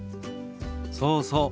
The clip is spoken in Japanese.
そうそう。